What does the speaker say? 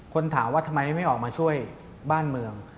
คนถามว่าทำไมไม่ออกมาช่วยบ้านเมือง